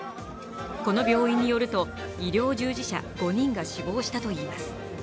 この病院によると、医療従事者５人が死亡したといいます。